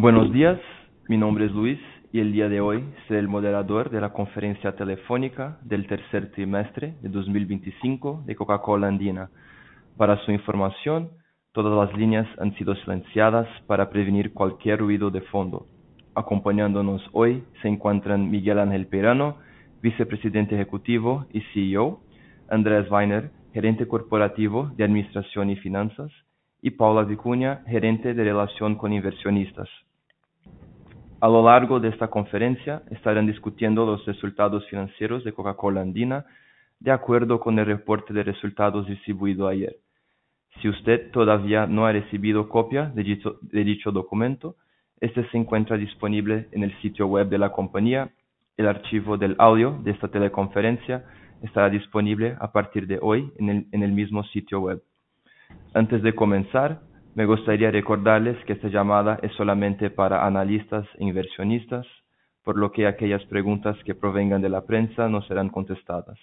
Buenos días, mi nombre es Luis y el día de hoy seré el moderador de la conferencia telefónica del tercer trimestre de 2025 de Coca-Cola Andina. Para su información, todas las líneas han sido silenciadas para prevenir cualquier ruido de fondo. Acompañándonos hoy se encuentran Miguel Ángel Peirano, Vicepresidente Ejecutivo y CEO; Andrés Vainer, Gerente Corporativo de Administración y Finanzas; y Paula Vicuña, Gerente de Relación con Inversionistas. A lo largo de esta conferencia estarán discutiendo los resultados financieros de Coca-Cola Andina de acuerdo con el reporte de resultados distribuido ayer. Si usted todavía no ha recibido copia de dicho documento, este se encuentra disponible en el sitio web de la compañía. El archivo del audio de esta teleconferencia estará disponible a partir de hoy en el mismo sitio web. Antes de comenzar, me gustaría recordarles que esta llamada es solamente para analistas e inversionistas, por lo que aquellas preguntas que provengan de la prensa no serán contestadas.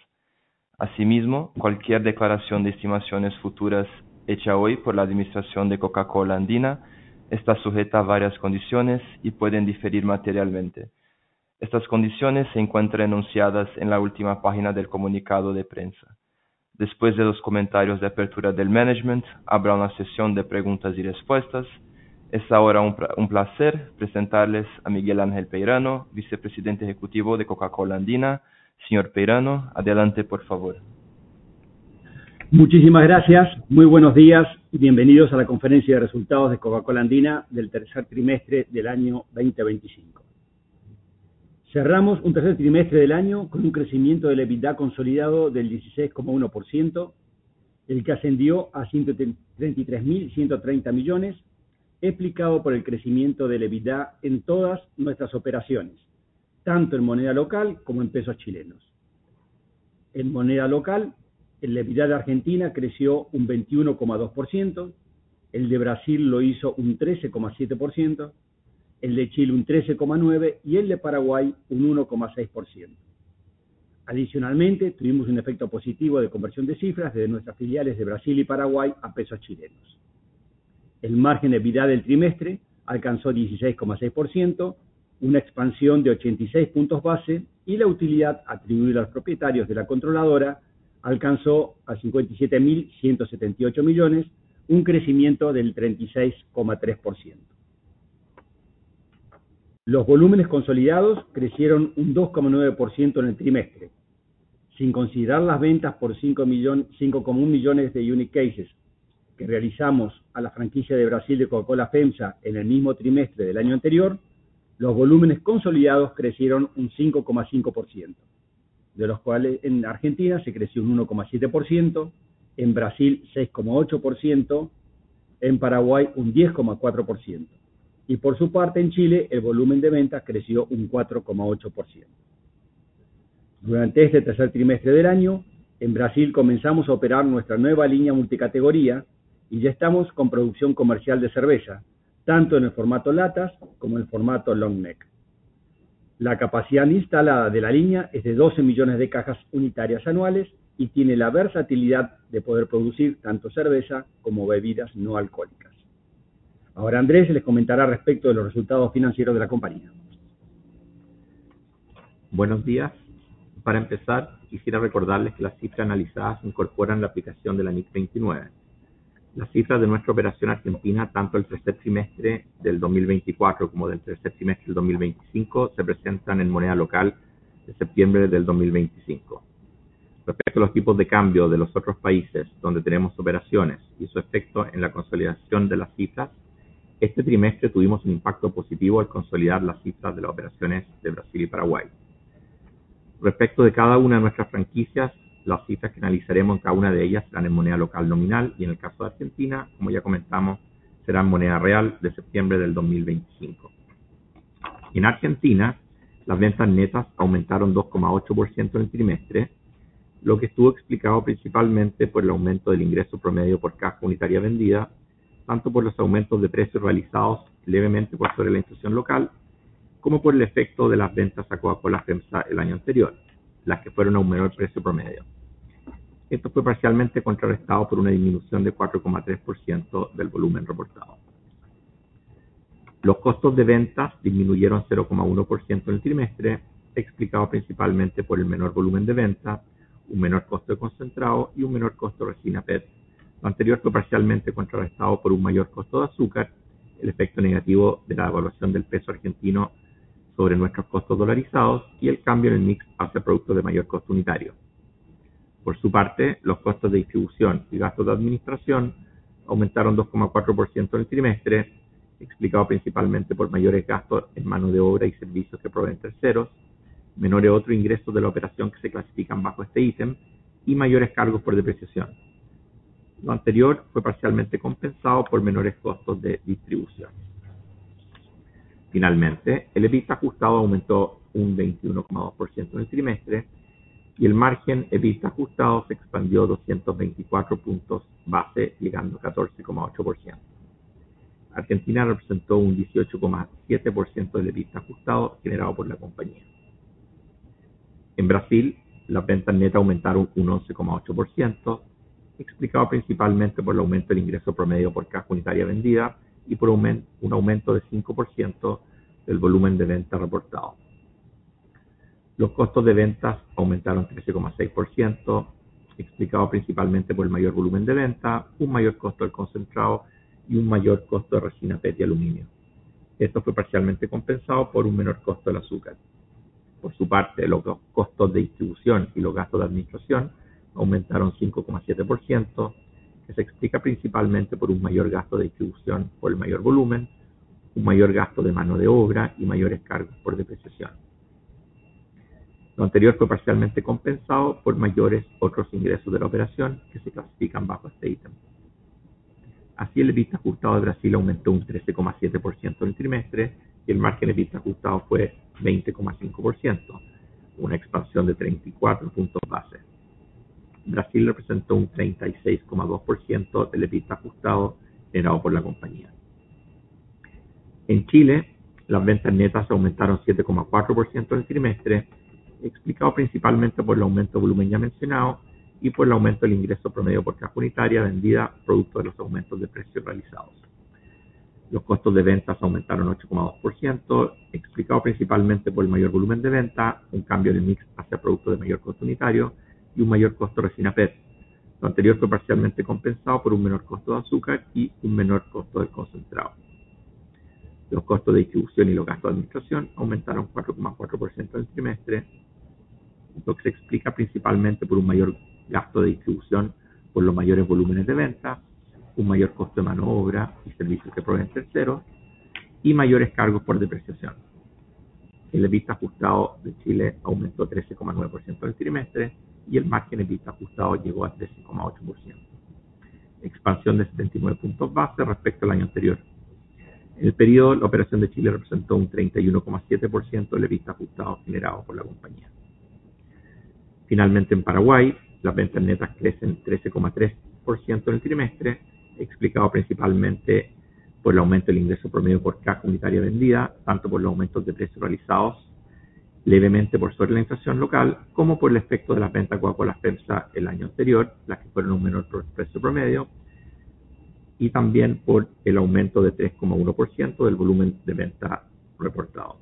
Asimismo, cualquier declaración de estimaciones futuras hecha hoy por la administración de Coca-Cola Andina está sujeta a varias condiciones y pueden diferir materialmente. Estas condiciones se encuentran enunciadas en la última página del comunicado de prensa. Después de los comentarios de apertura del management, habrá una sesión de preguntas y respuestas. Es ahora un placer presentarles a Miguel Ángel Peirano, Vicepresidente Ejecutivo de Coca-Cola Andina. Señor Peirano, adelante por favor. Muchísimas gracias, muy buenos días y bienvenidos a la conferencia de resultados de Coca-Cola Andina del tercer trimestre del año 2025. Cerramos un tercer trimestre del año con un crecimiento del EBITDA consolidado del 16,1%, el que ascendió a $133.130 millones, explicado por el crecimiento del EBITDA en todas nuestras operaciones, tanto en moneda local como en pesos chilenos. En moneda local, el EBITDA de Argentina creció un 21,2%, el de Brasil lo hizo un 13,7%, el de Chile un 13,9% y el de Paraguay un 1,6%. Adicionalmente, tuvimos un efecto positivo de conversión de cifras desde nuestras filiales de Brasil y Paraguay a pesos chilenos. El margen de EBITDA del trimestre alcanzó 16,6%, una expansión de 86 puntos base y la utilidad atribuida a los propietarios de la controladora alcanzó a $57.178 millones, un crecimiento del 36,3%. Los volúmenes consolidados crecieron un 2,9% en el trimestre. Sin considerar las ventas por 5,1 millones de unit cases que realizamos a la franquicia de Brasil de Coca-Cola FEMSA en el mismo trimestre del año anterior, los volúmenes consolidados crecieron un 5,5%, de los cuales en Argentina se creció un 1,7%, en Brasil 6,8%, en Paraguay un 10,4% y, por su parte, en Chile el volumen de ventas creció un 4,8%. Durante este tercer trimestre del año, en Brasil comenzamos a operar nuestra nueva línea multicategoría y ya estamos con producción comercial de cerveza, tanto en el formato latas como en el formato long neck. La capacidad instalada de la línea es de 12 millones de cajas unitarias anuales y tiene la versatilidad de poder producir tanto cerveza como bebidas no alcohólicas. Ahora Andrés les comentará respecto de los resultados financieros de la compañía. Buenos días, para empezar quisiera recordarles que las cifras analizadas se incorporan a la aplicación de la NIC 29. Las cifras de nuestra operación argentina, tanto del tercer trimestre de 2024 como del tercer trimestre de 2025, se presentan en moneda local de septiembre de 2025. Respecto a los tipos de cambio de los otros países donde tenemos operaciones y su efecto en la consolidación de las cifras, este trimestre tuvimos un impacto positivo al consolidar las cifras de las operaciones de Brasil y Paraguay. Respecto de cada una de nuestras franquicias, las cifras que analizaremos en cada una de ellas serán en moneda local nominal y, en el caso de Argentina, como ya comentamos, serán moneda real de septiembre de 2025. En Argentina, las ventas netas aumentaron 2,8% en el trimestre, lo que estuvo explicado principalmente por el aumento del ingreso promedio por caja unitaria vendida, tanto por los aumentos de precios realizados levemente por sobre la inflación local, como por el efecto de las ventas a Coca-Cola FEMSA el año anterior, las que fueron a un menor precio promedio. Esto fue parcialmente contrarrestado por una disminución de 4,3% del volumen reportado. Los costos de ventas disminuyeron 0,1% en el trimestre, explicado principalmente por el menor volumen de venta, un menor costo de concentrado y un menor costo de resina PET. Lo anterior fue parcialmente contrarrestado por un mayor costo de azúcar, el efecto negativo de la devaluación del peso argentino sobre nuestros costos dolarizados y el cambio en el mix hacia productos de mayor costo unitario. Por su parte, los costos de distribución y gastos de administración aumentaron 2,4% en el trimestre, explicado principalmente por mayores gastos en mano de obra y servicios que proveen terceros, menores otros ingresos de la operación que se clasifican bajo este ítem y mayores cargos por depreciación. Lo anterior fue parcialmente compensado por menores costos de distribución. Finalmente, el EBITDA ajustado aumentó un 21,2% en el trimestre y el margen EBITDA ajustado se expandió 224 puntos base, llegando a 14,8%. Argentina representó un 18,7% del EBITDA ajustado generado por la compañía. En Brasil, las ventas netas aumentaron un 11,8%, explicado principalmente por el aumento del ingreso promedio por caja unitaria vendida y por un aumento de 5% del volumen de ventas reportado. Los costos de ventas aumentaron 13,6%, explicado principalmente por el mayor volumen de venta, un mayor costo del concentrado y un mayor costo de resina PET y aluminio. Esto fue parcialmente compensado por un menor costo del azúcar. Por su parte, los costos de distribución y los gastos de administración aumentaron 5,7%, que se explica principalmente por un mayor gasto de distribución por el mayor volumen, un mayor gasto de mano de obra y mayores cargos por depreciación. Lo anterior fue parcialmente compensado por mayores otros ingresos de la operación que se clasifican bajo este ítem. Así, el EBITDA ajustado de Brasil aumentó un 13,7% en el trimestre y el margen EBITDA ajustado fue 20,5%, una expansión de 34 puntos base. Brasil representó un 36,2% del EBITDA ajustado generado por la compañía. En Chile, las ventas netas aumentaron 7,4% en el trimestre, explicado principalmente por el aumento de volumen ya mencionado y por el aumento del ingreso promedio por caja unitaria vendida, producto de los aumentos de precios realizados. Los costos de ventas aumentaron 8,2%, explicado principalmente por el mayor volumen de venta, un cambio en el mix hacia productos de mayor costo unitario y un mayor costo de resina PET. Lo anterior fue parcialmente compensado por un menor costo de azúcar y un menor costo del concentrado. Los costos de distribución y los gastos de administración aumentaron 4,4% en el trimestre, lo que se explica principalmente por un mayor gasto de distribución por los mayores volúmenes de venta, un mayor costo de mano de obra y servicios que proveen terceros, y mayores cargos por depreciación. El EBITDA ajustado de Chile aumentó 13,9% en el trimestre y el margen EBITDA ajustado llegó a 13,8%, expansión de 79 puntos base respecto al año anterior. En el período, la operación de Chile representó un 31,7% del EBITDA ajustado generado por la compañía. Finalmente, en Paraguay, las ventas netas crecen 13,3% en el trimestre, explicado principalmente por el aumento del ingreso promedio por caja unitaria vendida, tanto por los aumentos de precios realizados, levemente por sobre la inflación local, como por el efecto de las ventas a Coca-Cola FEMSA el año anterior, las que fueron a un menor precio promedio, y también por el aumento de 3,1% del volumen de ventas reportado.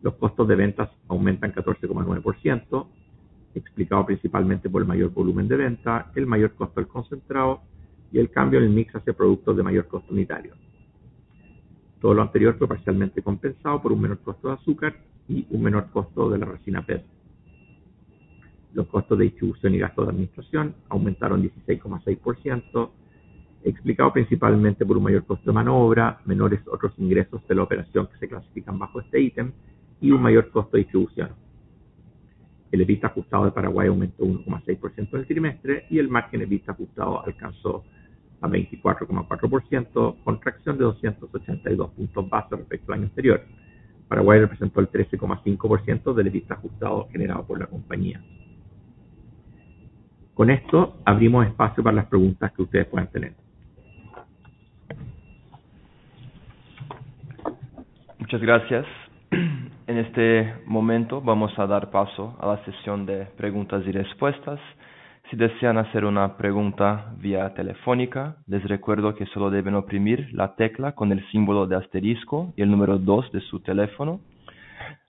Los costos de ventas aumentan 14,9%, explicado principalmente por el mayor volumen de venta, el mayor costo del concentrado y el cambio en el mix hacia productos de mayor costo unitario. Todo lo anterior fue parcialmente compensado por un menor costo de azúcar y un menor costo de la resina PET. Los costos de distribución y gastos de administración aumentaron 16,6%, explicado principalmente por un mayor costo de mano de obra, menores otros ingresos de la operación que se clasifican bajo este ítem y un mayor costo de distribución. El EBITDA ajustado de Paraguay aumentó 1,6% en el trimestre y el margen EBITDA ajustado alcanzó 24,4%, contracción de 282 puntos base respecto al año anterior. Paraguay representó 13,5% del EBITDA ajustado generado por la compañía. Con esto, abrimos espacio para las preguntas que ustedes puedan tener. Muchas gracias. En este momento vamos a dar paso a la sesión de preguntas y respuestas. Si desean hacer una pregunta vía telefónica, les recuerdo que solo deben oprimir la tecla con el símbolo de asterisco y el número dos de su teléfono.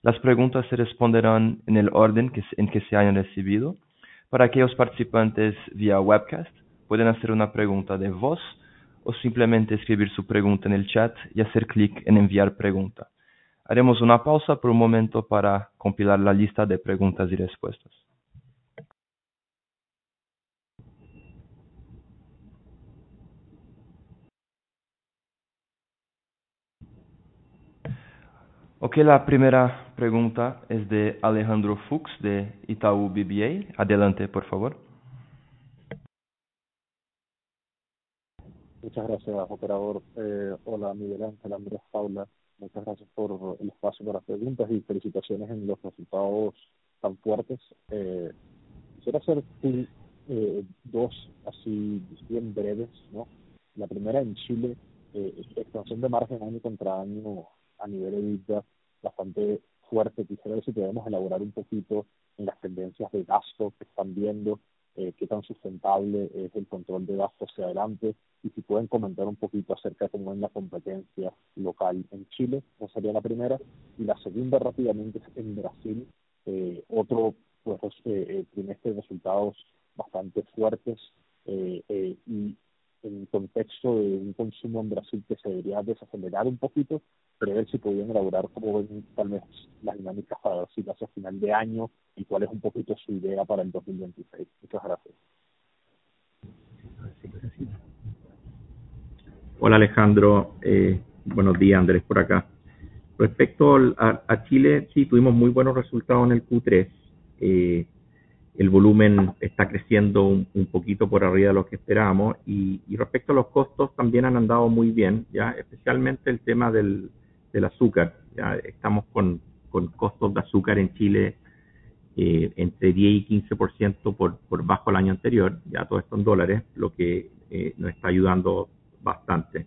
Las preguntas se responderán en el orden en que se hayan recibido. Para aquellos participantes vía webcast, pueden hacer una pregunta de voz o simplemente escribir su pregunta en el chat y hacer clic en "Enviar pregunta". Haremos una pausa por un momento para compilar la lista de preguntas y respuestas. La primera pregunta es de Alejandro Fux de Itaú BBA. Adelante, por favor. Muchas gracias, operador. Hola, Miguel Ángel, Andrés, Paula. Muchas gracias por el espacio para preguntas y felicitaciones en los resultados tan fuertes. Quisiera hacer dos preguntas bien breves. La primera, en Chile, expansión de margen año contra año a nivel EBITDA, bastante fuerte. Quisiera ver si podemos elaborar un poquito en las tendencias de gasto que están viendo, qué tan sustentable es el control de gastos hacia adelante y si pueden comentar un poquito acerca de cómo ven la competencia local en Chile. Esa sería la primera. Y la segunda, rápidamente, es en Brasil, otro trimestre de resultados bastante fuertes y en contexto de un consumo en Brasil que se debería desacelerar un poquito, pero ver si podrían elaborar cómo ven tal vez las dinámicas para ver si lo hace a final de año y cuál es un poquito su idea para el 2026. Muchas gracias. Hola, Alejandro. Buenos días, Andrés por acá. Respecto a Chile, sí, tuvimos muy buenos resultados en el Q3. El volumen está creciendo un poquito por arriba de lo que esperábamos y respecto a los costos también han andado muy bien, especialmente el tema del azúcar. Estamos con costos de azúcar en Chile entre 10% y 15% por debajo del año anterior, todo esto en dólares, lo que nos está ayudando bastante.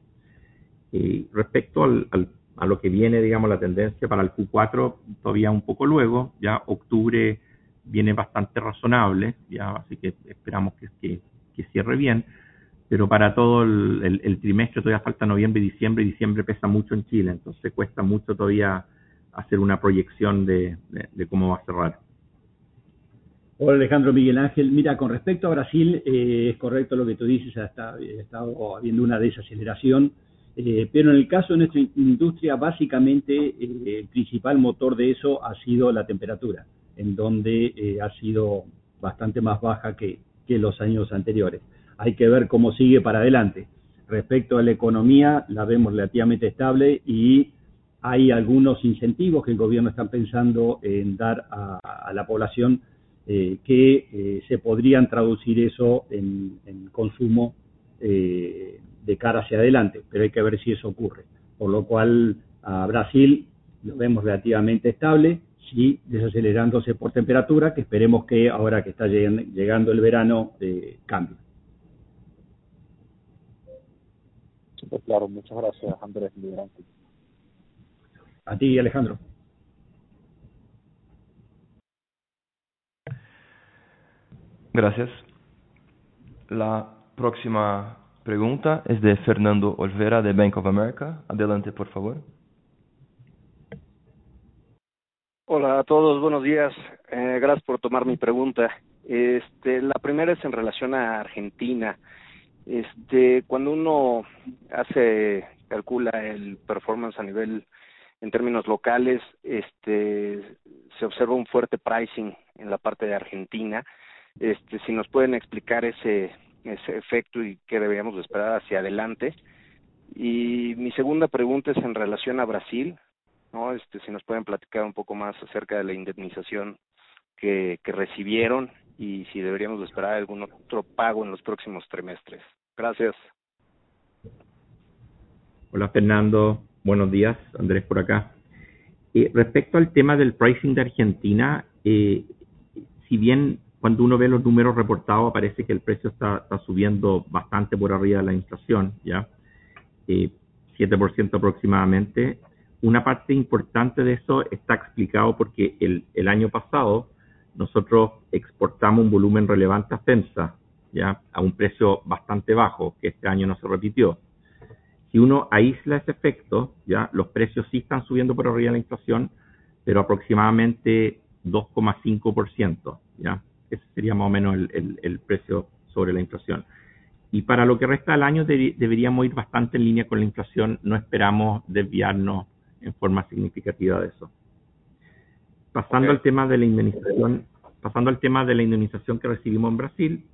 Respecto a lo que viene, la tendencia para el Q4 todavía un poco lenta, octubre viene bastante razonable, así que esperamos que cierre bien, pero para todo el trimestre todavía falta noviembre y diciembre. Diciembre pesa mucho en Chile, entonces cuesta mucho todavía hacer una proyección de cómo va a cerrar. Hola, Alejandro, Miguel Ángel. Mira, con respecto a Brasil, es correcto lo que tú dices, ha estado habiendo una desaceleración, pero en el caso de nuestra industria, básicamente el principal motor de eso ha sido la temperatura, en donde ha sido bastante más baja que los años anteriores. Hay que ver cómo sigue para adelante. Respecto a la economía, la vemos relativamente estable y hay algunos incentivos que el gobierno está pensando en dar a la población, que se podrían traducir eso en consumo de cara hacia adelante, pero hay que ver si eso ocurre. Por lo cual, a Brasil lo vemos relativamente estable, sí, desacelerándose por temperatura, que esperemos que ahora que está llegando el verano cambie. Claro, muchas gracias, Andrés Miguel Ángel. A ti, Alejandro. Gracias. La próxima pregunta es de Fernando Olvera de Bank of America. Adelante, por favor. Hola a todos, buenos días. Gracias por tomar mi pregunta. La primera es en relación a Argentina. Cuando uno calcula el performance a nivel en términos locales, se observa un fuerte pricing en la parte de Argentina. Si nos pueden explicar ese efecto y qué deberíamos esperar hacia adelante. Mi segunda pregunta es en relación a Brasil, si nos pueden platicar un poco más acerca de la indemnización que recibieron y si deberíamos esperar algún otro pago en los próximos trimestres. Gracias. Hola, Fernando. Buenos días, Andrés por acá. Respecto al tema del pricing de Argentina, si bien cuando uno ve los números reportados aparece que el precio está subiendo bastante por arriba de la inflación, 7% aproximadamente. Una parte importante de eso está explicado porque el año pasado nosotros exportamos un volumen relevante a FEMSA, a un precio bastante bajo, que este año no se repitió. Si uno aísla ese efecto, los precios sí están subiendo por arriba de la inflación, pero aproximadamente 2,5%. Ese sería más o menos el precio sobre la inflación. Para lo que resta del año deberíamos ir bastante en línea con la inflación, no esperamos desviarnos en forma significativa de eso. Pasando al tema de la indemnización que recibimos en Brasil,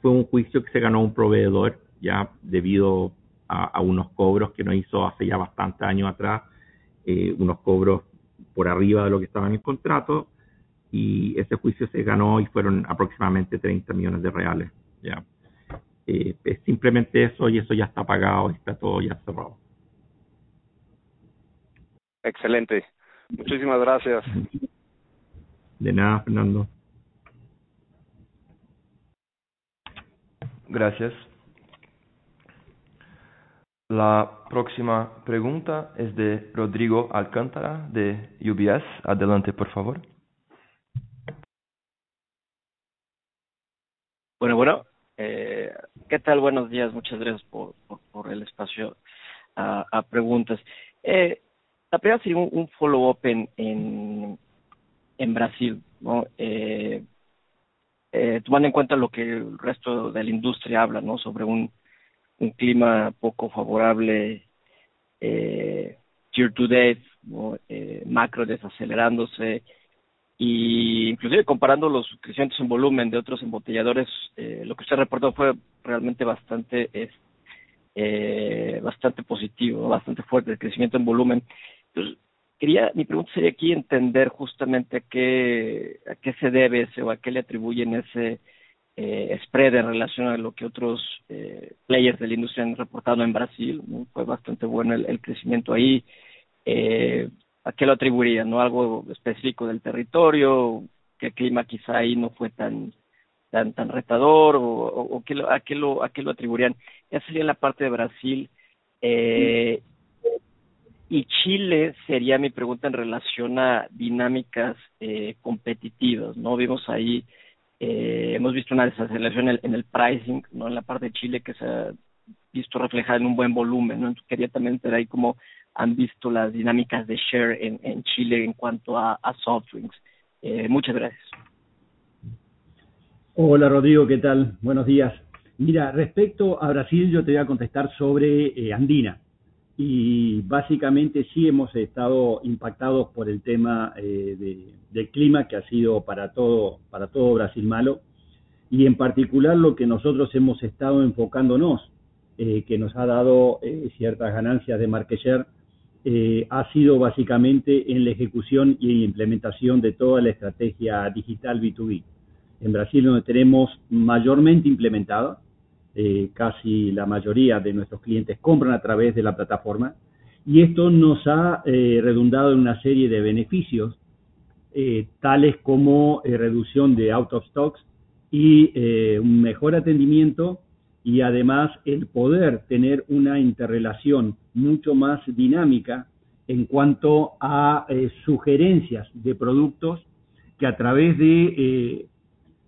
fue un juicio que se ganó un proveedor debido a unos cobros que nos hizo hace ya bastantes años atrás, unos cobros por arriba de lo que estaba en el contrato, y ese juicio se ganó y fueron aproximadamente R$30 millones. Es simplemente eso y eso ya está pagado, está todo ya cerrado. Excelente. Muchísimas gracias. De nada, Fernando. Gracias. La próxima pregunta es de Rodrigo Alcántara de UBS. Adelante, por favor. Bueno, bueno. ¿Qué tal? Buenos días. Muchas gracias por el espacio a preguntas. La primera sería un follow-up en Brasil, tomando en cuenta lo que el resto de la industria habla sobre un clima poco favorable, year to date, macro desacelerándose. E inclusive comparando los crecimientos en volumen de otros embotelladores, lo que usted reportó fue realmente bastante positivo, bastante fuerte el crecimiento en volumen. Mi pregunta sería aquí entender justamente a qué se debe eso o a qué le atribuyen ese spread en relación a lo que otros players de la industria han reportado en Brasil. Fue bastante bueno el crecimiento ahí. ¿A qué lo atribuirían? ¿Algo específico del territorio? ¿Qué clima quizá ahí no fue tan retador? ¿A qué lo atribuirían? Esa sería la parte de Brasil. Y Chile sería mi pregunta en relación a dinámicas competitivas. Hemos visto una desaceleración en el pricing, en la parte de Chile que se ha visto reflejada en un buen volumen. Quería también ver ahí cómo han visto las dinámicas de share en Chile en cuanto a soft drinks. Muchas gracias. Hola, Rodrigo. ¿Qué tal? Buenos días. Mira, respecto a Brasil, yo te voy a contestar sobre Andina. Básicamente sí hemos estado impactados por el tema del clima, que ha sido para todo Brasil malo. En particular, lo que nosotros hemos estado enfocándonos, que nos ha dado ciertas ganancias de Market Share, ha sido básicamente en la ejecución y en la implementación de toda la estrategia digital B2B. En Brasil, donde tenemos mayormente implementado, casi la mayoría de nuestros clientes compran a través de la plataforma, y esto nos ha redundado en una serie de beneficios, tales como reducción de out of stocks y mejor atendimiento, y además el poder tener una interrelación mucho más dinámica en cuanto a sugerencias de productos que a través de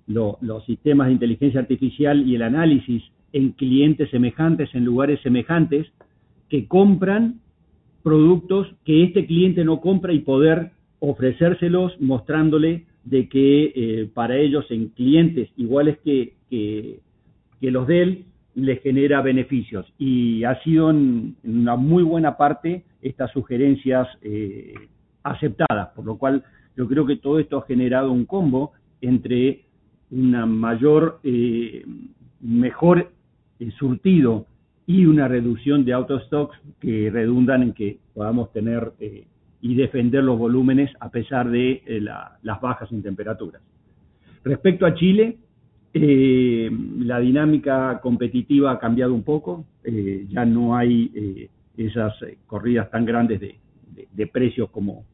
los sistemas de inteligencia artificial y el análisis en clientes semejantes, en lugares semejantes, que compran productos que este cliente no compra y poder ofrecérselos mostrándole que para ellos en clientes iguales que los de él les genera beneficios. Ha sido en una muy buena parte estas sugerencias aceptadas, por lo cual yo creo que todo esto ha generado un combo entre un mejor surtido y una reducción de out of stocks que redundan en que podamos tener y defender los volúmenes a pesar de las bajas en temperaturas. Respecto a Chile, la dinámica competitiva ha cambiado un poco, ya no hay esas corridas tan grandes de precios como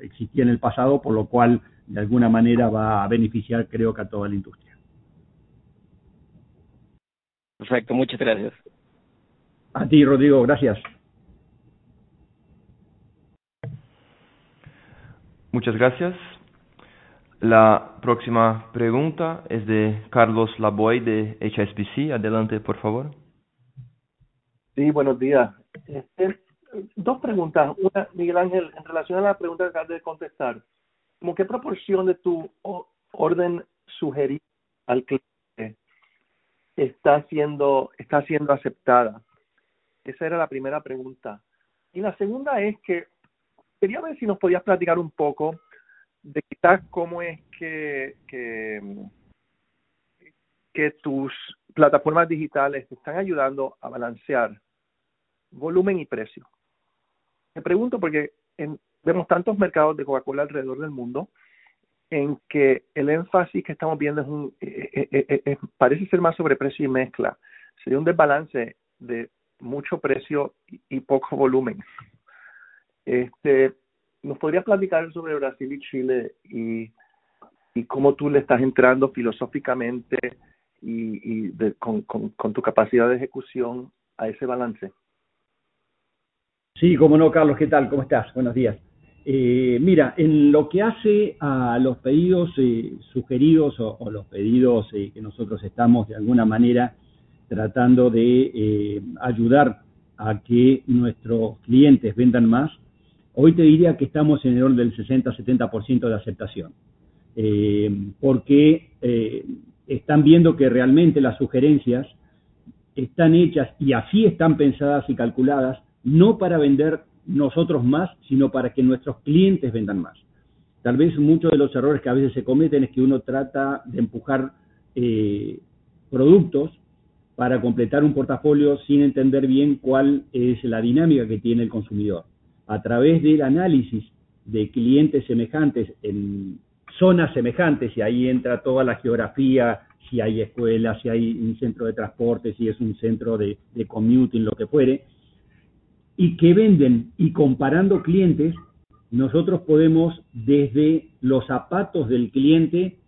existía en el pasado, por lo cual de alguna manera va a beneficiar creo que a toda la industria. Perfecto. Muchas gracias. A ti, Rodrigo. Gracias. Muchas gracias. La próxima pregunta es de Carlos Laboy de HSBC. Adelante, por favor. Sí, buenos días. Dos preguntas. Una, Miguel Ángel, en relación a la pregunta que acabas de contestar, ¿en qué proporción de tu orden sugerida al cliente está siendo aceptada? Esa era la primera pregunta. Y la segunda es que quería ver si nos podías platicar un poco de quizás cómo es que tus plataformas digitales te están ayudando a balancear volumen y precio. Te pregunto porque vemos tantos mercados de Coca-Cola alrededor del mundo en que el énfasis que estamos viendo parece ser más sobre precio y mezcla. Sería un desbalance de mucho precio y poco volumen. ¿Nos podrías platicar sobre Brasil y Chile y cómo tú le estás entrando filosóficamente y con tu capacidad de ejecución a ese balance? Sí, cómo no, Carlos. ¿Qué tal? ¿Cómo estás? Buenos días. Mira, en lo que hace a los pedidos sugeridos o los pedidos que nosotros estamos de alguna manera tratando de ayudar a que nuestros clientes vendan más, hoy te diría que estamos en el orden del 60%, 70% de aceptación. Porque están viendo que realmente las sugerencias están hechas y así están pensadas y calculadas, no para vender nosotros más, sino para que nuestros clientes vendan más. Tal vez muchos de los errores que a veces se cometen es que uno trata de empujar productos para completar un portafolio sin entender bien cuál es la dinámica que tiene el consumidor. A través del análisis de clientes semejantes en zonas semejantes, y ahí entra toda la geografía, si hay escuelas, si hay un centro de transporte, si es un centro de commuting, lo que fuere, y que venden. Y comparando clientes, nosotros podemos desde los zapatos del cliente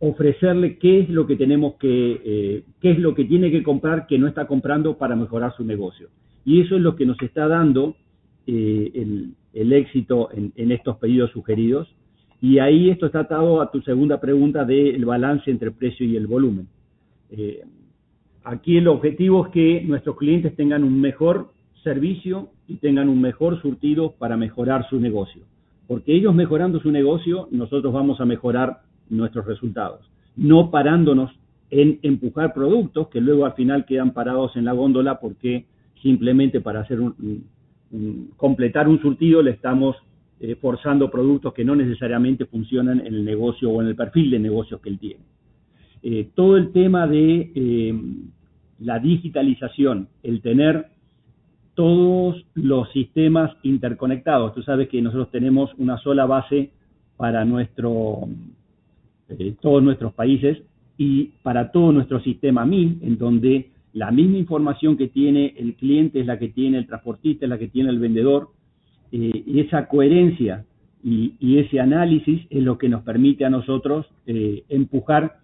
ofrecerle qué es lo que tenemos, qué es lo que tiene que comprar que no está comprando para mejorar su negocio. Y eso es lo que nos está dando el éxito en estos pedidos sugeridos. Y ahí esto está atado a tu segunda pregunta del balance entre precio y el volumen. Aquí el objetivo es que nuestros clientes tengan un mejor servicio y tengan un mejor surtido para mejorar su negocio. Porque ellos mejorando su negocio, nosotros vamos a mejorar nuestros resultados, no parándonos en empujar productos que luego al final quedan parados en la góndola porque simplemente para completar un surtido le estamos forzando productos que no necesariamente funcionan en el negocio o en el perfil de negocio que él tiene. Todo el tema de la digitalización, el tener todos los sistemas interconectados. Tú sabes que nosotros tenemos una sola base para todos nuestros países y para todo nuestro sistema MIN, en donde la misma información que tiene el cliente es la que tiene el transportista, es la que tiene el vendedor. Y esa coherencia y ese análisis es lo que nos permite a nosotros empujar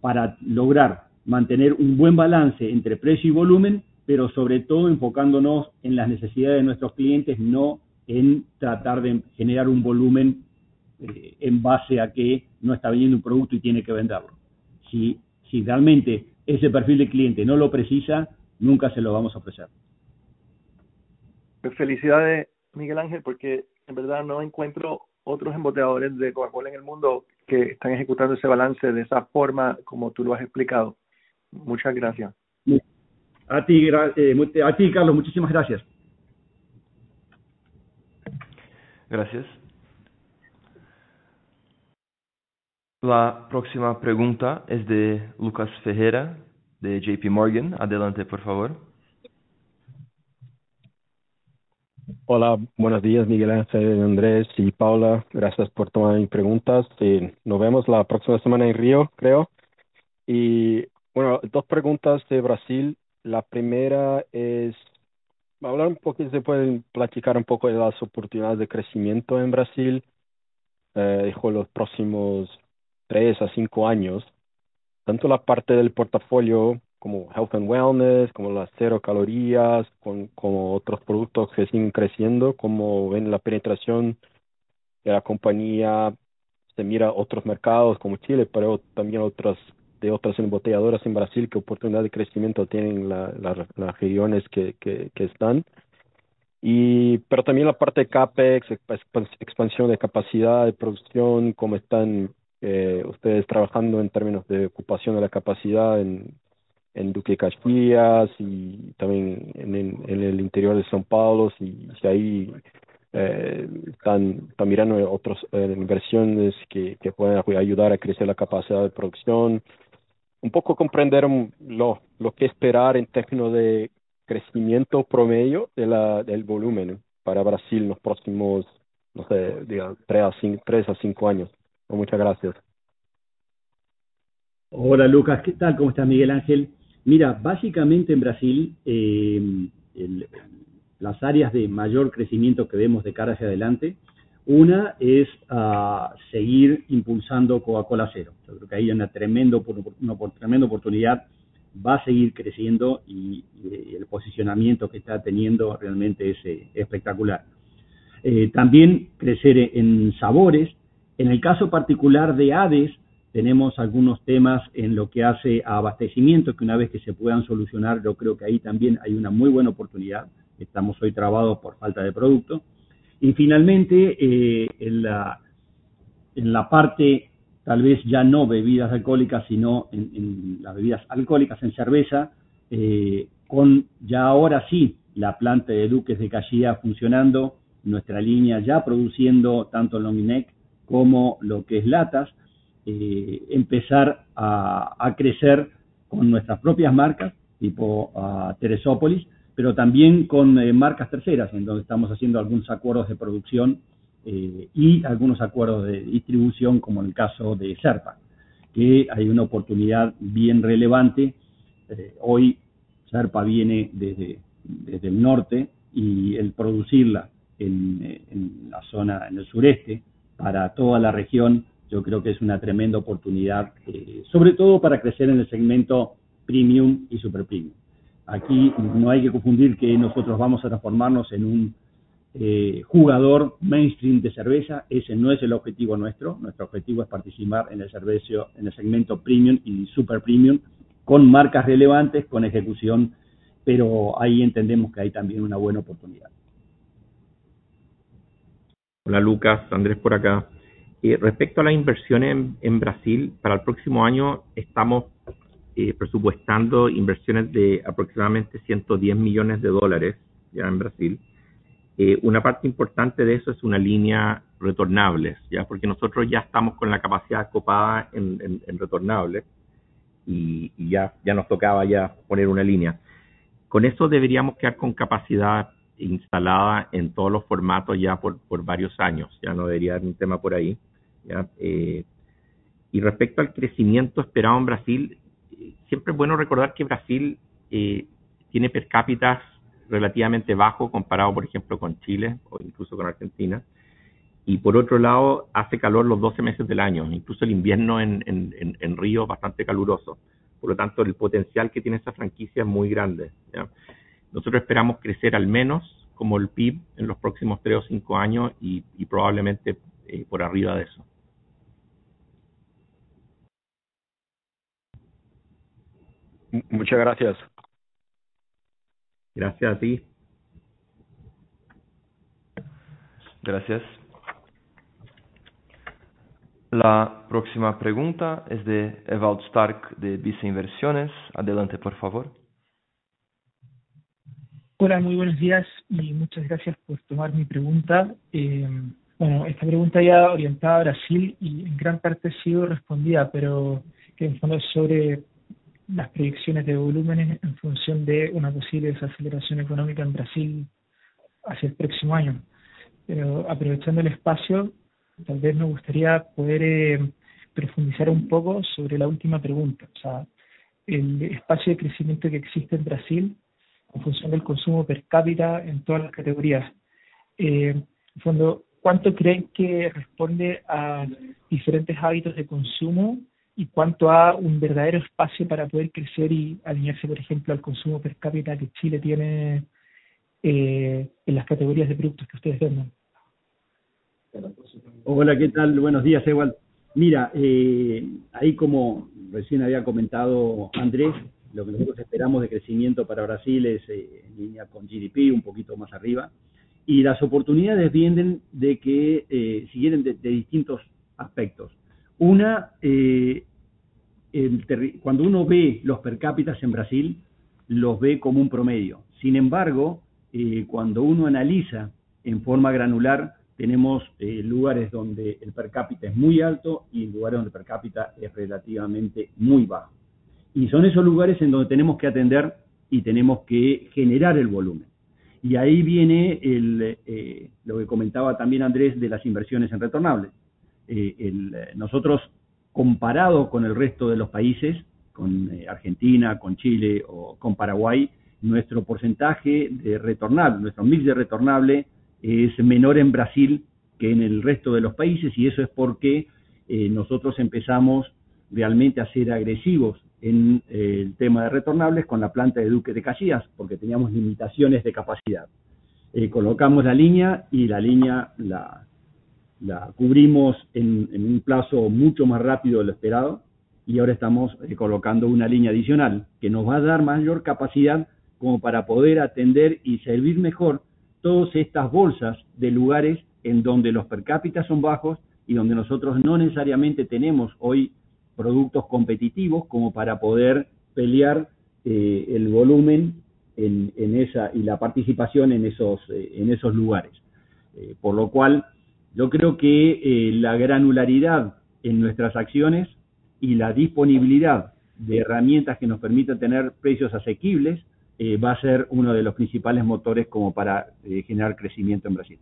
para lograr mantener un buen balance entre precio y volumen, pero sobre todo enfocándonos en las necesidades de nuestros clientes, no en tratar de generar un volumen en base a que no está vendiendo un producto y tiene que venderlo. Si realmente ese perfil de cliente no lo precisa, nunca se lo vamos a ofrecer. Felicidades, Miguel Ángel, porque en verdad no encuentro otros embotelladores de Coca-Cola en el mundo que están ejecutando ese balance de esa forma como tú lo has explicado. Muchas gracias. A ti, Carlos. Muchísimas gracias. Gracias. La próxima pregunta es de Lucas Fejera, de JP Morgan. Adelante, por favor. Hola, buenos días, Miguel Ángel, Andrés y Paula. Gracias por todas mis preguntas. Nos vemos la próxima semana en Río, creo. Y dos preguntas de Brasil. La primera es hablar un poco, si se puede platicar un poco de las oportunidades de crecimiento en Brasil, digamos los próximos tres a cinco años, tanto la parte del portafolio como health and wellness, como las cero calorías, como otros productos que siguen creciendo, cómo ven la penetración de la compañía, se mira otros mercados como Chile, pero también de otras embotelladoras en Brasil, qué oportunidad de crecimiento tienen las regiones que están. Pero también la parte de CAPEX, expansión de capacidad de producción, cómo están ustedes trabajando en términos de ocupación de la capacidad en Duque y Castillas y también en el interior de São Paulo, si ahí están mirando otras inversiones que puedan ayudar a crecer la capacidad de producción. Un poco comprender lo que esperar en términos de crecimiento promedio del volumen para Brasil en los próximos, no sé, tres a cinco años. Muchas gracias. Hola, Lucas. ¿Qué tal? ¿Cómo estás, Miguel Ángel? Mira, básicamente en Brasil las áreas de mayor crecimiento que vemos de cara hacia adelante, una es seguir impulsando Coca-Cola Zero. Yo creo que ahí hay una tremenda oportunidad, va a seguir creciendo y el posicionamiento que está teniendo realmente es espectacular. También crecer en sabores. En el caso particular de ADES, tenemos algunos temas en lo que hace a abastecimiento, que una vez que se puedan solucionar, yo creo que ahí también hay una muy buena oportunidad. Estamos hoy trabados por falta de producto. Y finalmente, en la parte tal vez ya no de bebidas no alcohólicas, sino en las bebidas alcohólicas, en cerveza, con ya ahora sí la planta de Duque de Castillas funcionando, nuestra línea ya produciendo tanto long neck como lo que es latas, empezar a crecer con nuestras propias marcas, tipo Teresópolis, pero también con marcas terceras, en donde estamos haciendo algunos acuerdos de producción y algunos acuerdos de distribución, como en el caso de Serpa, que hay una oportunidad bien relevante. Hoy Serpa viene desde el norte y el producirla en la zona en el sureste para toda la región, yo creo que es una tremenda oportunidad, sobre todo para crecer en el segmento premium y superpremium. Aquí no hay que confundir que nosotros vamos a transformarnos en un jugador mainstream de cerveza. Ese no es el objetivo nuestro. Nuestro objetivo es participar en el segmento premium y superpremium con marcas relevantes, con ejecución, pero ahí entendemos que hay también una buena oportunidad. Hola, Lucas. Andrés por acá. Respecto a la inversión en Brasil, para el próximo año estamos presupuestando inversiones de aproximadamente $110 millones ya en Brasil. Una parte importante de eso es una línea retornables, porque nosotros ya estamos con la capacidad copada en retornables y ya nos tocaba poner una línea. Con eso deberíamos quedar con capacidad instalada en todos los formatos por varios años. Ya no debería haber un tema por ahí. Respecto al crecimiento esperado en Brasil, siempre es bueno recordar que Brasil tiene per cápitas relativamente bajo comparado, por ejemplo, con Chile o incluso con Argentina. Por otro lado, hace calor los 12 meses del año, incluso el invierno en Río es bastante caluroso. Por lo tanto, el potencial que tiene esa franquicia es muy grande. Nosotros esperamos crecer al menos como el PIB en los próximos tres o cinco años y probablemente por arriba de eso. Muchas gracias. Gracias a ti. Gracias. La próxima pregunta es de Ewald Stark de Visa Inversiones. Adelante, por favor. Hola, muy buenos días y muchas gracias por tomar mi pregunta. Esta pregunta era orientada a Brasil y en gran parte ha sido respondida, pero en el fondo es sobre las proyecciones de volumen en función de una posible desaceleración económica en Brasil hacia el próximo año. Aprovechando el espacio, tal vez me gustaría poder profundizar un poco sobre la última pregunta. O sea, el espacio de crecimiento que existe en Brasil en función del consumo per cápita en todas las categorías. En el fondo, ¿cuánto creen que responde a diferentes hábitos de consumo y cuánto a un verdadero espacio para poder crecer y alinearse, por ejemplo, al consumo per cápita que Chile tiene en las categorías de productos que ustedes venden? Hola, ¿qué tal? Buenos días, Ewald. Mira, ahí como recién había comentado Andrés, lo que nosotros esperamos de crecimiento para Brasil es en línea con GDP, un poquito más arriba. Las oportunidades vienen de que siguen de distintos aspectos. Una, cuando uno ve los per cápitas en Brasil, los ve como un promedio. Sin embargo, cuando uno analiza en forma granular, tenemos lugares donde el per cápita es muy alto y lugares donde el per cápita es relativamente muy bajo. Son esos lugares en donde tenemos que atender y tenemos que generar el volumen. Ahí viene lo que comentaba también Andrés de las inversiones en retornables. Nosotros, comparado con el resto de los países, con Argentina, con Chile o con Paraguay, nuestro porcentaje de retornable, nuestro mix de retornable es menor en Brasil que en el resto de los países, y eso es porque nosotros empezamos realmente a ser agresivos en el tema de retornables con la planta de Duque de Castillas, porque teníamos limitaciones de capacidad. Colocamos la línea y la línea la cubrimos en un plazo mucho más rápido de lo esperado, y ahora estamos colocando una línea adicional que nos va a dar mayor capacidad como para poder atender y servir mejor todas estas bolsas de lugares en donde los per cápitas son bajos y donde nosotros no necesariamente tenemos hoy productos competitivos como para poder pelear el volumen y la participación en esos lugares. Por lo cual, yo creo que la granularidad en nuestras acciones y la disponibilidad de herramientas que nos permitan tener precios asequibles va a ser uno de los principales motores para generar crecimiento en Brasil.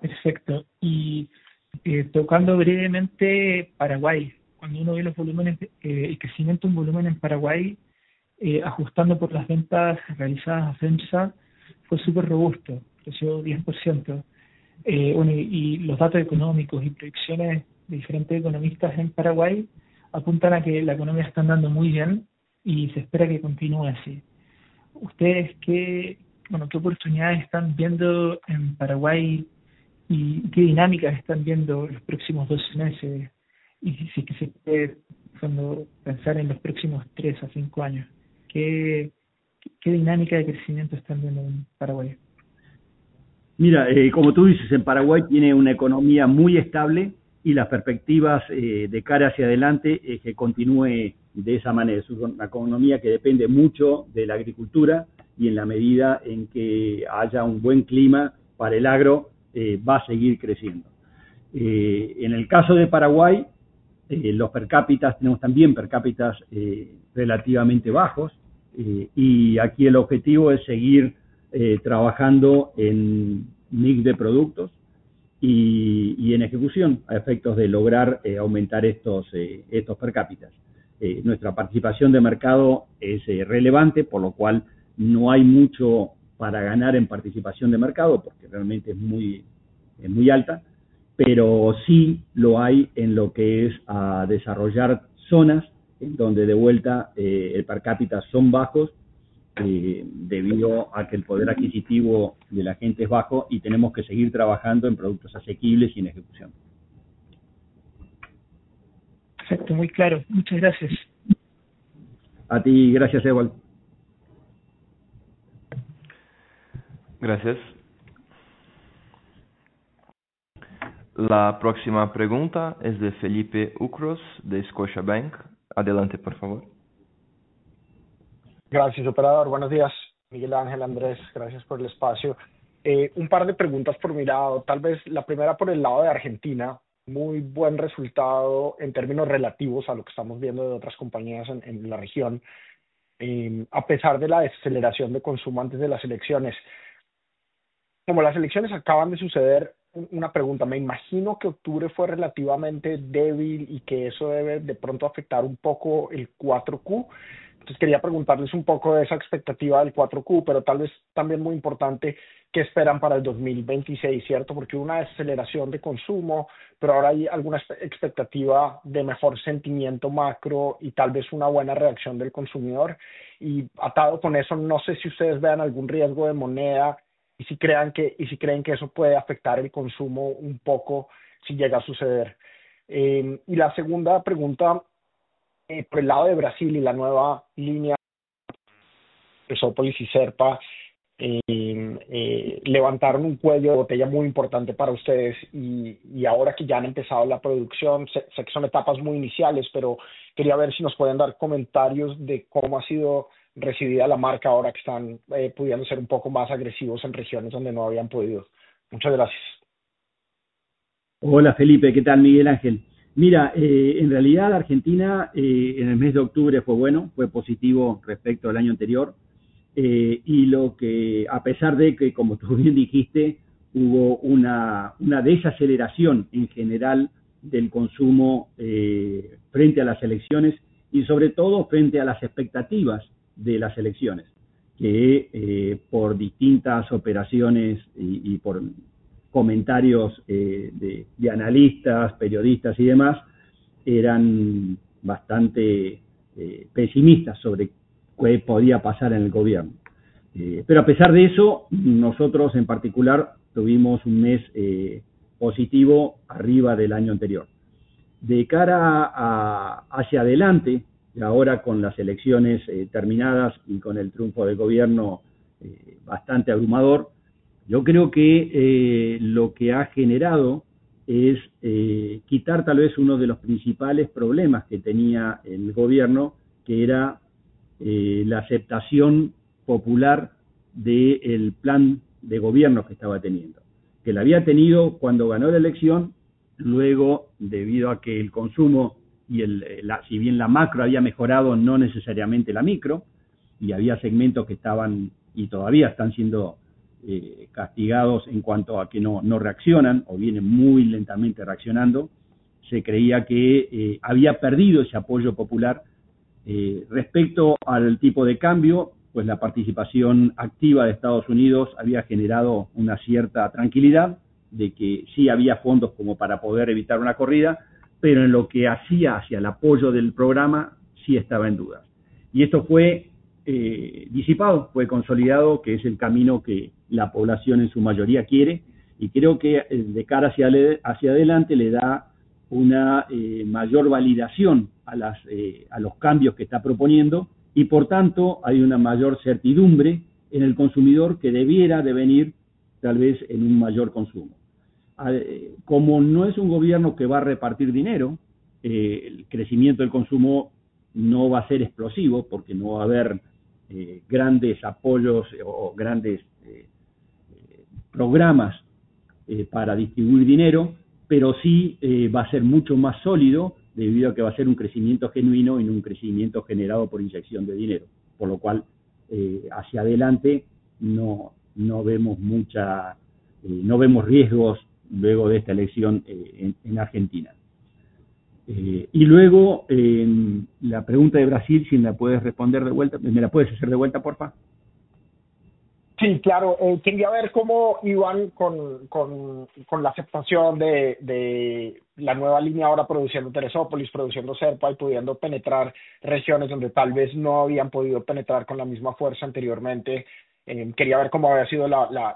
Perfecto. Y tocando brevemente Paraguay, cuando uno ve el crecimiento en volumen en Paraguay, ajustando por las ventas realizadas a FEMSA, fue súper robusto, creció 10%. Y los datos económicos y proyecciones de diferentes economistas en Paraguay apuntan a que la economía está andando muy bien y se espera que continúe así. Ustedes, ¿qué oportunidades están viendo en Paraguay y qué dinámicas están viendo los próximos 12 meses? Y si es que se puede, pensar en los próximos tres a cinco años, ¿qué dinámica de crecimiento están viendo en Paraguay? Mira, como tú dices, en Paraguay tiene una economía muy estable y las perspectivas de cara hacia adelante es que continúe de esa manera. Es una economía que depende mucho de la agricultura y en la medida en que haya un buen clima para el agro, va a seguir creciendo. En el caso de Paraguay, los per cápitas, tenemos también per cápitas relativamente bajos, y aquí el objetivo es seguir trabajando en mix de productos y en ejecución a efectos de lograr aumentar estos per cápitas. Nuestra participación de mercado es relevante, por lo cual no hay mucho para ganar en participación de mercado, porque realmente es muy alta, pero sí lo hay en lo que es desarrollar zonas en donde de vuelta el per cápita son bajos debido a que el poder adquisitivo de la gente es bajo y tenemos que seguir trabajando en productos asequibles y en ejecución. Perfecto, muy claro. Muchas gracias. A ti, gracias, Ewald. Gracias. La próxima pregunta es de Felipe Ucros de Scotiabank. Adelante, por favor. Gracias, operador. Buenos días, Miguel Ángel, Andrés. Gracias por el espacio. Un par de preguntas por mi lado. Tal vez la primera por el lado de Argentina, muy buen resultado en términos relativos a lo que estamos viendo de otras compañías en la región, a pesar de la desaceleración de consumo antes de las elecciones. Como las elecciones acaban de suceder, una pregunta: me imagino que octubre fue relativamente débil y que eso debe de pronto afectar un poco el cuarto trimestre. Entonces, quería preguntarles un poco de esa expectativa del cuarto trimestre, pero tal vez también muy importante, ¿qué esperan para el 2026? Porque hubo una desaceleración de consumo, pero ahora hay alguna expectativa de mejor sentimiento macro y tal vez una buena reacción del consumidor. Y atado con eso, no sé si ustedes vean algún riesgo de moneda y si creen que eso puede afectar el consumo un poco si llega a suceder. Y la segunda pregunta, por el lado de Brasil y la nueva línea, Teresópolis y Serpa, levantaron un cuello de botella muy importante para ustedes y ahora que ya han empezado la producción, sé que son etapas muy iniciales, pero quería ver si nos pueden dar comentarios de cómo ha sido recibida la marca ahora que están pudiendo ser un poco más agresivos en regiones donde no habían podido. Muchas gracias. Hola, Felipe, ¿qué tal, Miguel Ángel? Mira, en realidad Argentina en el mes de octubre fue bueno, fue positivo respecto al año anterior. Y lo que, a pesar de que, como tú bien dijiste, hubo una desaceleración en general del consumo frente a las elecciones y, sobre todo, frente a las expectativas de las elecciones, que por distintas operaciones y por comentarios de analistas, periodistas y demás, eran bastante pesimistas sobre qué podía pasar en el gobierno. Pero a pesar de eso, nosotros en particular tuvimos un mes positivo arriba del año anterior. De cara hacia adelante, ahora con las elecciones terminadas y con el triunfo del gobierno, bastante abrumador, yo creo que lo que ha generado es quitar tal vez uno de los principales problemas que tenía el gobierno, que era la aceptación popular del plan de gobierno que estaba teniendo, que la había tenido cuando ganó la elección. Luego, debido a que el consumo, si bien la macro había mejorado, no necesariamente la micro, y había segmentos que estaban y todavía están siendo castigados en cuanto a que no reaccionan o vienen muy lentamente reaccionando, se creía que había perdido ese apoyo popular. Respecto al tipo de cambio, la participación activa de Estados Unidos había generado una cierta tranquilidad de que sí había fondos como para poder evitar una corrida, pero en lo que hacía hacia el apoyo del programa sí estaba en dudas. Esto fue disipado, fue consolidado que es el camino que la población en su mayoría quiere, y creo que de cara hacia adelante le da una mayor validación a los cambios que está proponiendo y, por tanto, hay una mayor certidumbre en el consumidor que debiera de venir tal vez en un mayor consumo. Como no es un gobierno que va a repartir dinero, el crecimiento del consumo no va a ser explosivo porque no va a haber grandes apoyos o grandes programas para distribuir dinero, pero sí va a ser mucho más sólido debido a que va a ser un crecimiento genuino y no un crecimiento generado por inyección de dinero. Por lo cual, hacia adelante no vemos riesgos luego de esta elección en Argentina. Y luego, la pregunta de Brasil, si me la puedes responder de vuelta, ¿me la puedes hacer de vuelta, por favor? Sí, claro. Quería ver cómo iban con la aceptación de la nueva línea ahora produciendo Teresópolis, produciendo Serpa y pudiendo penetrar regiones donde tal vez no habían podido penetrar con la misma fuerza anteriormente. Quería ver cómo había sido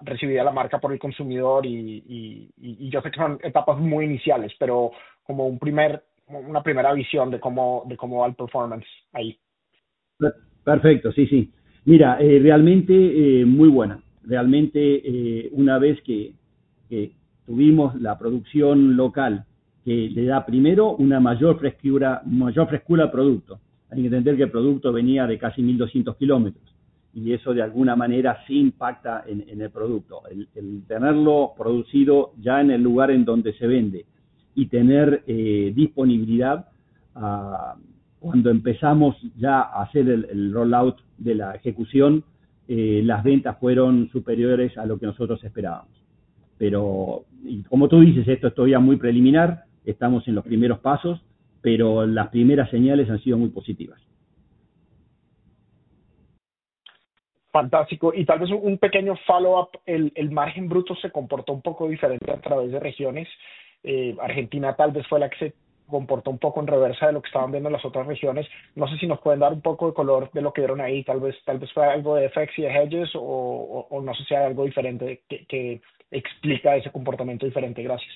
recibida la marca por el consumidor y yo sé que son etapas muy iniciales, pero como una primera visión de cómo va el performance ahí. Perfecto, sí, sí. Mira, realmente muy buena. Realmente, una vez que tuvimos la producción local, que le da primero una mayor frescura al producto. Hay que entender que el producto venía de casi 1,200 kilómetros, y eso de alguna manera sí impacta en el producto. El tenerlo producido ya en el lugar en donde se vende y tener disponibilidad, cuando empezamos ya a hacer el rollout de la ejecución, las ventas fueron superiores a lo que nosotros esperábamos. Y como tú dices, esto es todavía muy preliminar, estamos en los primeros pasos, pero las primeras señales han sido muy positivas. Fantástico. Y tal vez un pequeño follow-up, el margen bruto se comportó un poco diferente a través de regiones. Argentina tal vez fue la que se comportó un poco en reversa de lo que estaban viendo las otras regiones. No sé si nos pueden dar un poco de color de lo que vieron ahí, tal vez fue algo de FX y de hedges, o no sé si hay algo diferente que explica ese comportamiento diferente. Gracias.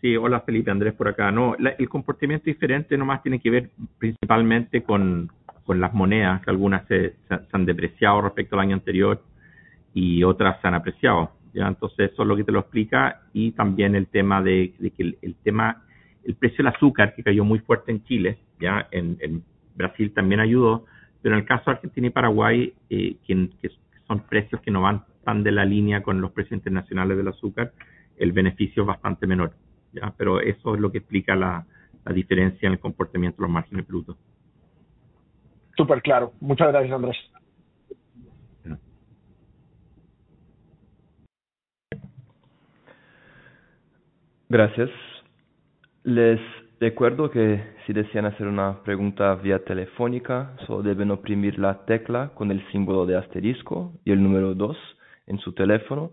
Sí, hola Felipe, Andrés por acá. El comportamiento diferente nomás tiene que ver principalmente con las monedas, que algunas se han depreciado respecto al año anterior y otras se han apreciado. Entonces, eso es lo que te lo explica. También el tema de que el precio del azúcar que cayó muy fuerte en Chile, en Brasil también ayudó, pero en el caso de Argentina y Paraguay, que son precios que no van tan de la línea con los precios internacionales del azúcar, el beneficio es bastante menor. Pero eso es lo que explica la diferencia en el comportamiento de los márgenes brutos. Súper claro. Muchas gracias, Andrés. Gracias. Les recuerdo que si desean hacer una pregunta vía telefónica, solo deben oprimir la tecla con el símbolo de asterisco y el número dos en su teléfono.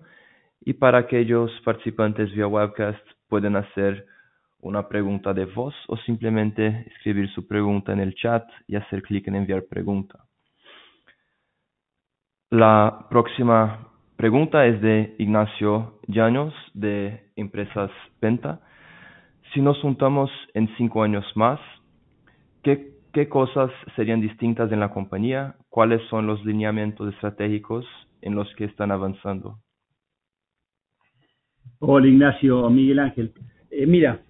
Y para aquellos participantes vía webcast, pueden hacer una pregunta de voz o simplemente escribir su pregunta en el chat y hacer clic en enviar pregunta. La próxima pregunta es de Ignacio Yaños, de Empresas Venta. Si nos juntamos en cinco años más, ¿qué cosas serían distintas en la compañía? ¿Cuáles son los lineamientos estratégicos en los que están avanzando? Hola, Ignacio, Miguel Ángel. Mira,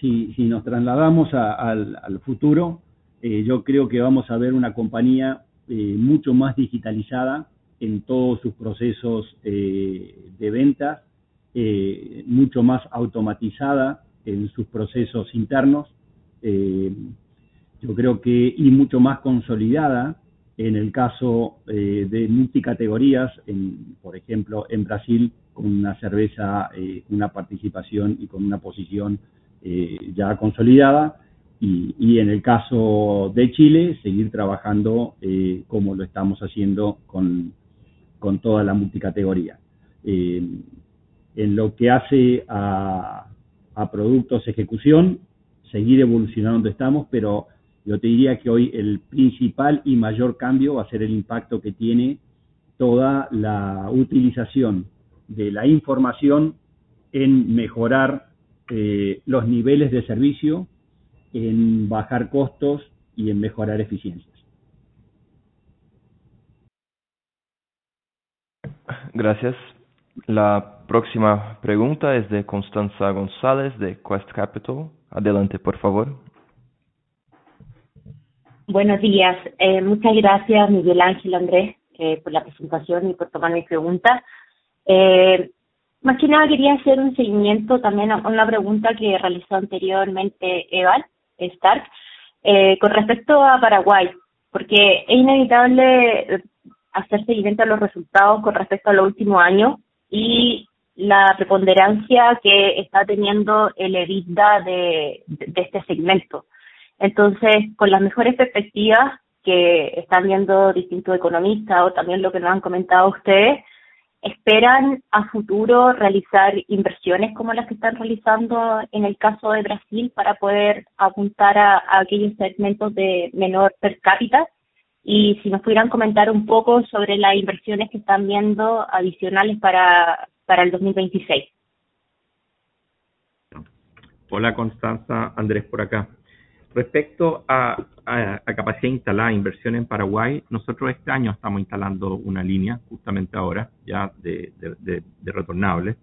si nos trasladamos al futuro, yo creo que vamos a ver una compañía mucho más digitalizada en todos sus procesos de ventas, mucho más automatizada en sus procesos internos. Yo creo que y mucho más consolidada en el caso de multicategorías, por ejemplo, en Brasil, con una cerveza, una participación y con una posición ya consolidada. Y en el caso de Chile, seguir trabajando como lo estamos haciendo con toda la multicategoría. En lo que hace a productos de ejecución, seguir evolucionando donde estamos, pero yo te diría que hoy el principal y mayor cambio va a ser el impacto que tiene toda la utilización de la información en mejorar los niveles de servicio, en bajar costos y en mejorar eficiencias. Gracias. La próxima pregunta es de Constanza González, de Quest Capital. Adelante, por favor. Buenos días. Muchas gracias, Miguel Ángel Andrés, por la presentación y por tomar mi pregunta. Más que nada, quería hacer un seguimiento también a una pregunta que realizó anteriormente Ewald Stark con respecto a Paraguay, porque es inevitable hacer seguimiento a los resultados con respecto al último año y la preponderancia que está teniendo el EBITDA de este segmento. Entonces, con las mejores perspectivas que están viendo distintos economistas o también lo que nos han comentado ustedes, ¿esperan a futuro realizar inversiones como las que están realizando en el caso de Brasil para poder apuntar a aquellos segmentos de menor per cápita? ¿Y si nos pudieran comentar un poco sobre las inversiones que están viendo adicionales para 2026? Hola, Constanza Andrés por acá. Respecto a capacidad de instalar inversión en Paraguay, nosotros este año estamos instalando una línea justamente ahora ya de retornables.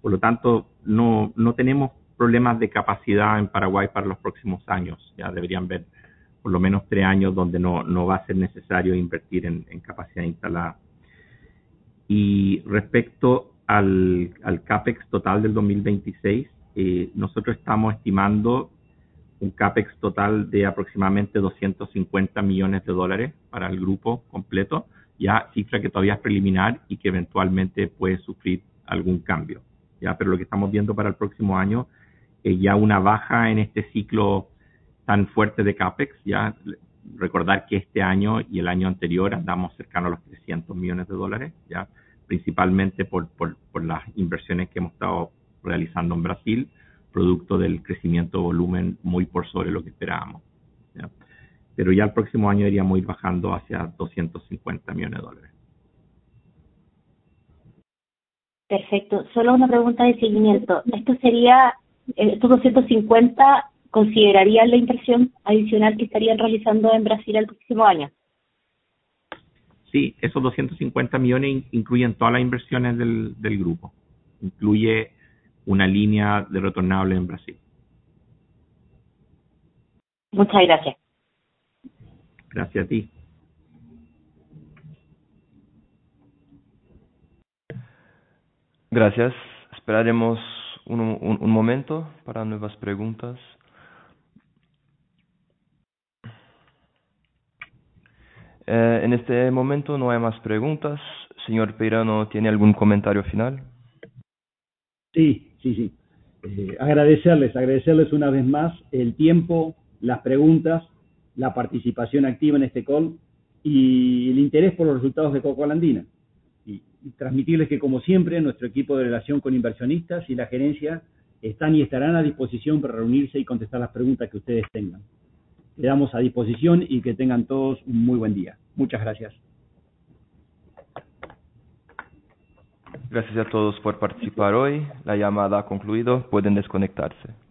Por lo tanto, no tenemos problemas de capacidad en Paraguay para los próximos años. Ya deberían ver por lo menos tres años donde no va a ser necesario invertir en capacidad instalada. Respecto al CAPEX total del 2026, nosotros estamos estimando un CAPEX total de aproximadamente $250 millones para el grupo completo, cifra que todavía es preliminar y que eventualmente puede sufrir algún cambio. Pero lo que estamos viendo para el próximo año es ya una baja en este ciclo tan fuerte de CAPEX. Recordar que este año y el año anterior andamos cercano a los $300 millones, principalmente por las inversiones que hemos estado realizando en Brasil, producto del crecimiento de volumen muy por sobre lo que esperábamos. Pero ya el próximo año deberíamos ir bajando hacia $250 millones de dólares. Perfecto. Solo una pregunta de seguimiento. ¿Estos 250 considerarían la inversión adicional que estarían realizando en Brasil el próximo año? Sí, esos $250 millones incluyen todas las inversiones del grupo. Incluye una línea de retornables en Brasil. Muchas gracias. Gracias a ti. Gracias. Esperaremos un momento para nuevas preguntas. En este momento no hay más preguntas. Señor Peirano, ¿tiene algún comentario final? Sí, sí, sí. Agradecerles una vez más el tiempo, las preguntas, la participación activa en este call y el interés por los resultados de Coca-Cola Andina. Y transmitirles que, como siempre, nuestro equipo de relación con inversionistas y la gerencia están y estarán a disposición para reunirse y contestar las preguntas que ustedes tengan. Quedamos a disposición y que tengan todos un muy buen día. Muchas gracias. Gracias a todos por participar hoy. La llamada ha concluido. Pueden desconectarse.